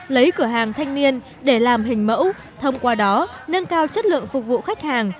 lấy cửa hàng thanh niên để làm hình mẫu thông qua đó nâng cao chất lượng phục vụ khách hàng